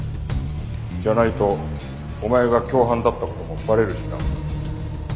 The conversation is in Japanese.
じゃないとお前が共犯だった事もバレるしな。